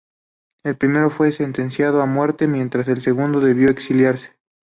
El primero fue sentenciado a muerte, mientras que el segundo debió exiliarse.